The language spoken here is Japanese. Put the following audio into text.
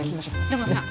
土門さん。